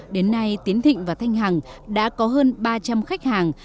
đến nay tiến thịnh và thanh hằng đã có hơn ba trăm linh khách hàng